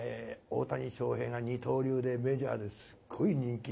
大谷翔平が二刀流でメジャーですごい人気。